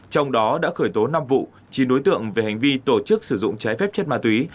trong đó đã khởi tố năm vụ chín đối tượng về hành vi tổ chức sử dụng trái phép chất ma túy